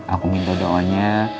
aku minta doanya